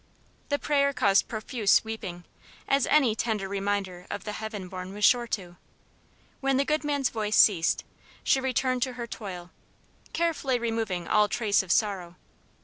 The prayer caused profuse weeping, as any tender reminder of the heaven born was sure to. When the good man's voice ceased, she returned to her toil, carefully removing all trace of sorrow.